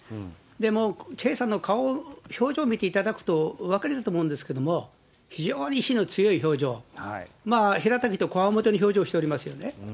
でもチェさんの顔、表情を見ていただくと分かると思うんですけど、非常に意志の強い表情、平たく言うと、こわもての表情しておりますよね。